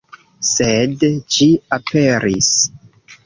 Sed ĝi aperis.